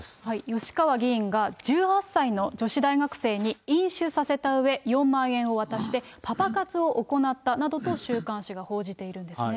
吉川議員が、１８歳の女子大学生に飲酒させたうえ、４万円を渡して、パパ活を行ったなどと週刊誌が報じているんですね。